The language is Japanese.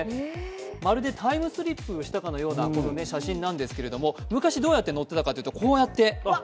まるでタイムスリップをしたかのような写真なんですけど昔どうやって乗っていたかというと、こうやって。